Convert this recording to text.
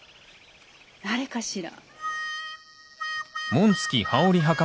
誰かしら。